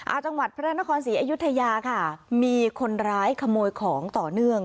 จังหวัดพระนครศรีอยุธยาค่ะมีคนร้ายขโมยของต่อเนื่อง